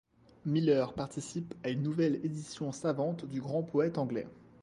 Miller participe à une nouvelle édition savante du grand poète anglais.